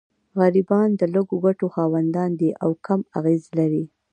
غریبان د لږو ګټو خاوندان دي او کم اغېز لري.